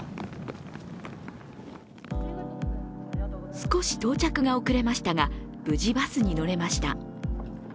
少し到着が遅れましたが無事、バスに乗れました。